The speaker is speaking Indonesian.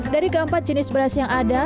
dari keempat jenis beras yang ada